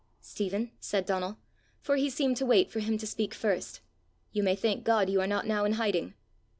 "Stephen," said Donal, for he seemed to wait for him to speak first, "you may thank God you are not now in hiding."